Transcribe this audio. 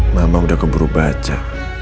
mama udah keburu baca